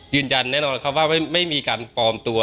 ยืนยันแน่นอนครับว่าไม่มีการปลอมตัว